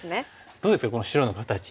どうですかこの白の形。